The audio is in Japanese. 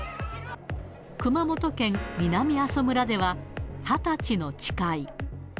熊本県南阿蘇村では、二十歳の誓い。